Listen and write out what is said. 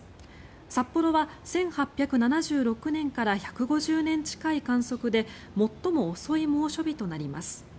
札幌は１８７６年から１５０年近い観測で最も遅い猛暑日となります。